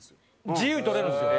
自由に取れるんですよ。